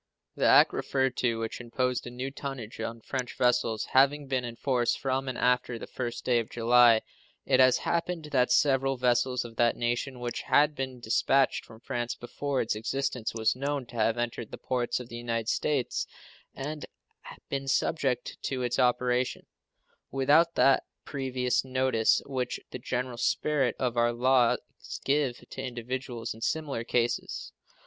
The act referred to, which imposed new tonnage on French vessels, having been in force from and after the first day of July, it has happened that several vessels of that nation which had been dispatched from France before its existence was known have entered the ports of the United States, and been subject to its operation, without that previous notice which the general spirit of our laws gives to individuals in similar cases.